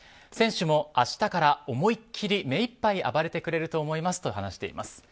選手も明日から思いっきり目いっぱい暴れてくれると思いますと話しています。